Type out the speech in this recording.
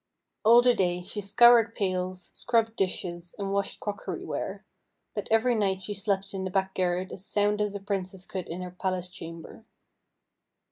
All the day she scoured pails, scrubbed dishes, and washed crockeryware. But every night she slept in the back garret as sound as a Princess could in her palace chamber.